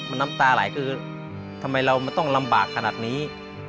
มันน้ำตาไหลทำไมเรามาต้องลำบากขนาดนี้